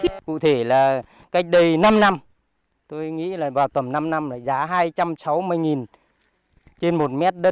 cụ thể là cách đây năm năm tôi nghĩ là vào tầm năm năm là giá hai trăm sáu mươi